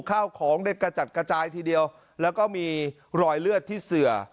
ข้าวของได้กระจัดกระจายทีเดียวแล้วก็มีรอยเลือดที่เสือ